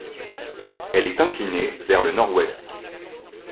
Elle est inclinée vers le nord-ouest.